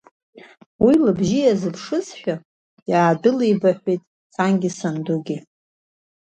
Уи лыбжьы иазыԥшызшәа, иаадәылибаҳәеит сангьы сандугьы.